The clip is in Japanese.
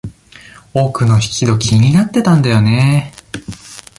奥の引き戸、気になってたんだよね。